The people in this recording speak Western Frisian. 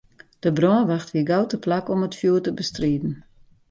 De brânwacht wie gau teplak om it fjoer te bestriden.